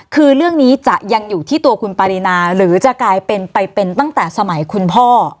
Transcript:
คือเรื่องนี้จะยังอยู่ที่ตัวคุณปารีนาหรือจะกลายเป็นไปเป็นตั้งแต่สมัยคุณพ่อ